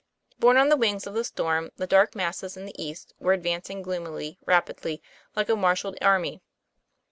Borne on the wings of the storm, the dark masses in the east were advancing gloomily, rapidly, like a marshalled army.